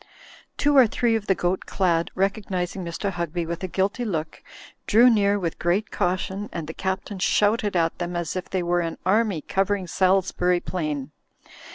Two or tly ee of the goat clad, recognising Mr. Hugby with a guilty look, drew near with great cau tion, and the Captain shouted at them as if they were an army covering Salisbury Plain.